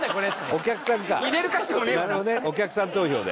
お客さん投票で。